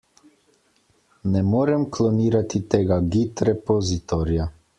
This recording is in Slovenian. Ne morem klonirati tega git repozitorija.